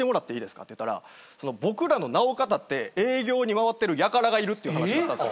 って言ったら僕らの名をかたって営業に回ってるやからがいるっていう話になったんすよ。